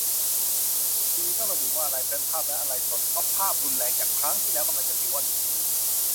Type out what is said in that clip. ทีวีต้องระบุว่าอะไร "แฟ้มภาพ" อะไร "สด" เพราะภาพรุนแรงจากครั้งที่แล้ว กำลังจะปลิวว่อนในทีวี